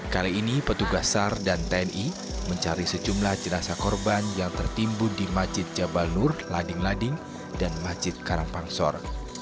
kali ini petugas sar dan tni mencari sejumlah jenazah korban yang tertimbun di masjid jabal nur lading lading dan masjid karangpangsor